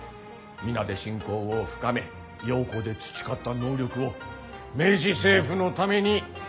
皆で親交を深め洋行で培った能力を明治政府のために生かしてほしい。